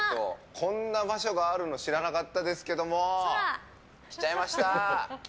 こんな場所があるの知らなかったですけど来ちゃいました！